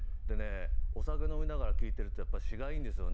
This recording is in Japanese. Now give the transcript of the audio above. お酒飲みながら聴いてると詞がいいいんですよね。